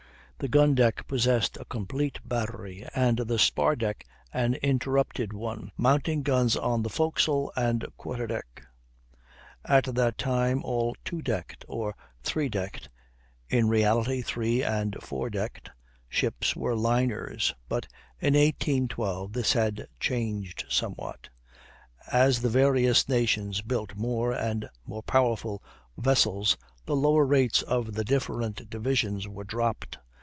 The gun deck possessed a complete battery, and the spar deck an interrupted one, mounting guns on the forecastle and quarter deck. At that time all "two decked" or "three decked" (in reality three and four decked) ships were liners. But in 1812 this had changed somewhat; as the various nations built more and more powerful vessels, the lower rates of the different divisions were dropped.